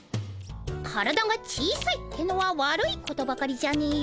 体が小さいってのは悪いことばかりじゃねえよ。